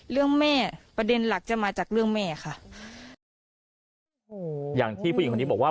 เรื่องแม่ประเด็นหลักจะมาจากเรื่องแม่ค่ะโอ้โหอย่างที่ผู้หญิงคนนี้บอกว่า